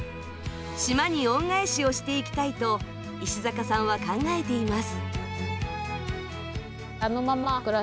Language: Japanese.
島に恩返しをしていきたいと、石坂さんは考えています。